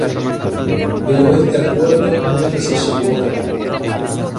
Pero este acuerdo nunca se llevó a cabo.